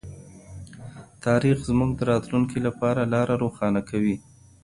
تاریخ زموږ د راتلونکي لپاره لاره روښانه کوي.